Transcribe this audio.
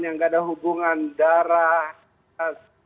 yang gak ada hubungan darah